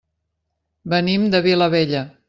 Venim de Vilabella.